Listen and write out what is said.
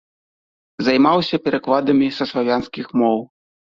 Займаўся перакладамі са славянскіх моў.